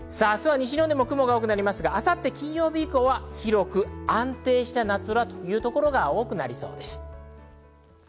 西日本でも雲が多くなりますが、金曜日以降は広く安定した夏空という所が多くなりそうです。